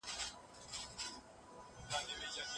غر که هر څونده لور وي، خو پر سر لار لري.